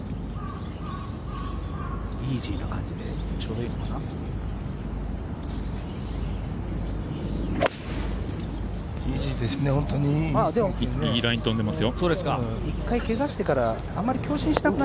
イージーな感じで、ちょうどいいのかな？